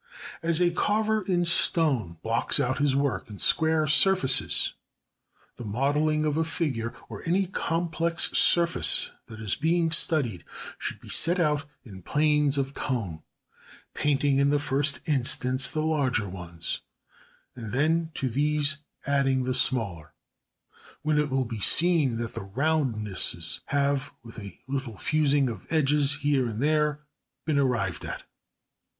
As a carver in stone blocks out his work in square surfaces, the modelling of a figure or any complex surface that is being studied should be set out in planes of tone, painting in the first instance the larger ones, and then, to these, adding the smaller; when it will be seen that the roundnesses have, with a little fusing of edges here and there, been arrived at.